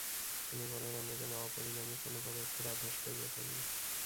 তিনি বলেন, আমরা যেন অপরিণামী কোন পদার্থের আভাস পাইয়া থাকি।